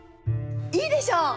いいでしょ！